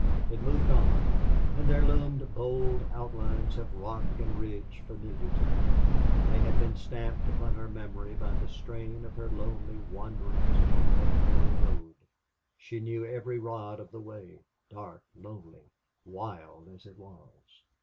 It moved on. And there loomed bold outlines of rock and ridge familiar to her. They had been stamped upon her memory by the strain of her lonely wanderings along that very road. She knew every rod of the way, dark, lonely, wild as it was.